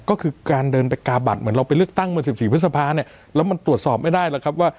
ก็คือการเดินไปกาบัตรเหมือนเราไปเลือกตั้งเมื่อ๑๔พฤษภาเนี่ยแล้วมันตรวจสอบไม่ได้หรอกครับว่า